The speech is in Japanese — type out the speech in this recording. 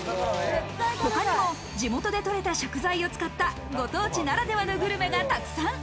他にも地元でとれた食材を使ったご当地ならではのグルメがたくさん。